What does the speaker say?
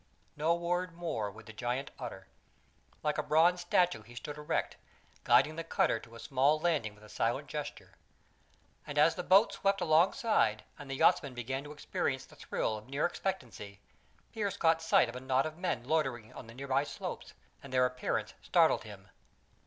No word more would the giant utter. Like a bronze statue he stood erect, guiding the cutter to a small landing with a silent gesture. And as the boat swept alongside and the yachtsmen began to experience the thrill of near expectancy, Pearse caught sight of a knot of men loitering on the nearby slopes, and their appearance startled him.